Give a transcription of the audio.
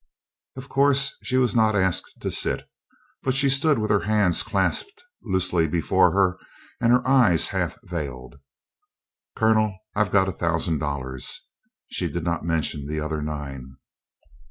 Of course, she was not asked to sit, but she stood with her hands clasped loosely before her and her eyes half veiled. "Colonel, I've got a thousand dollars." She did not mention the other nine.